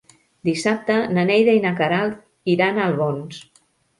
Dissabte na Neida i na Queralt iran a Albons.